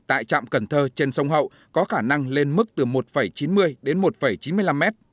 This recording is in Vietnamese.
tại trạm cần thơ trên sông hậu có khả năng lên mức từ một chín mươi đến một chín mươi năm m